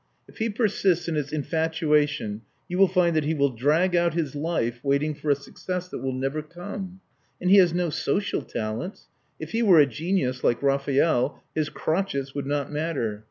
If he persists in his infatuation, you will find that he will drag out his wife waiting for a success that will never come. And he has no social talents. If he were a genius, like Raphael, his crotchets would not matter.